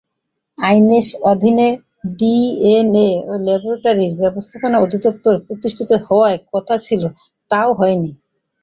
আইনের অধীনে DNA laboratory ব্যবস্থাপনা অধিদপ্তর প্রতিষ্ঠিত হওয়ার কথা ছিল, তাও হয়নি।